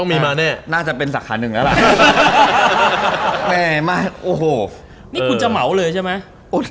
นี่คุณจะเหมาเลยใช่ไหม